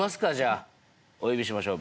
お呼びしましょう。